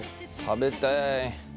食べたい。